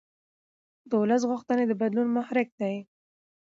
د ولس غوښتنې د بدلون محرک دي